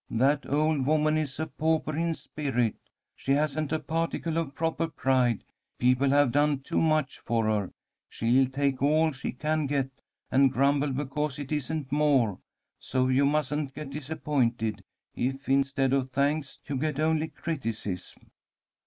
That old woman is a pauper in spirit. She hasn't a particle of proper pride. People have done too much for her. She'll take all she can get, and grumble because it isn't more. So you mustn't be disappointed if, instead of thanks, you get only criticism."